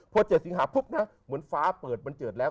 พอ๗สิงหาปุ๊บนะเหมือนฟ้าเปิดบันเจิดแล้ว